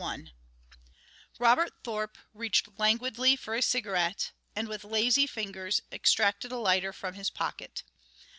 ] Robert Thorpe reached languidly for a cigarette and, with lazy fingers, extracted a lighter from his pocket.